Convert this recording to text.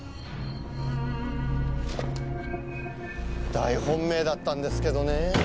大本命だったんですけどね。